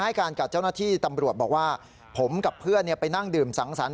ให้การกับเจ้าหน้าที่ตำรวจบอกว่าผมกับเพื่อนไปนั่งดื่มสังสรรค